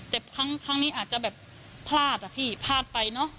แต่ครั้งนี้อาจจะแบบพลาดอะพี่พลาดไปเนอะ